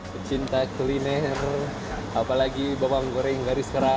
pecinta kuliner apalagi bawang goreng dari sekarang